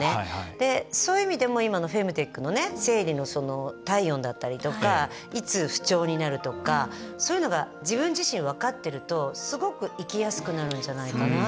そういう意味でも今のフェムテックのね生理の体温だったりとかいつ不調になるとかそういうのが自分自身分かってるとすごく生きやすくなるんじゃないかなって思ったの。